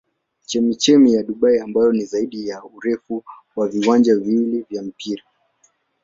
Chemchemi ya Dubai ambayo ni zaidi ya urefu wa viwanja viwili vya mpira.